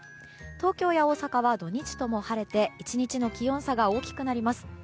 東京や大阪は土日とも晴れて１日の気温差が大きくなります。